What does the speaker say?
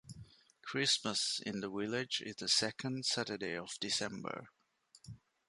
Christmas in the Village is the second Saturday of December.